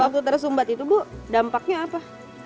waktu tersumbat itu bu dampaknya apa